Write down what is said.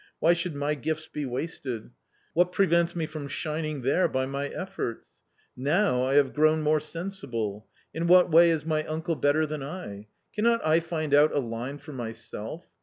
Why should my gifts be wasted ? what prevents me from shining there by my efforts ? Now I have grown more sensible. In what way is my uncle better than I ? Cannot I find out a line for myself?